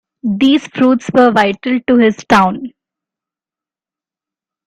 These fruits were vital to his town.